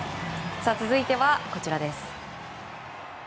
続いては、こちらです。